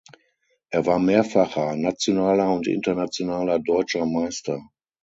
Er war mehrfacher nationaler und internationaler Deutscher Meister.